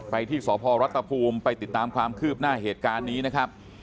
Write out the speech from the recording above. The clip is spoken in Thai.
ที่สพรัฐภูมิไปติดตามความคืบหน้าเหตุการณ์นี้นะครับ